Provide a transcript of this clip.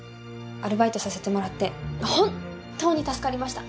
アルバイトさせてもらって本当に助かりました。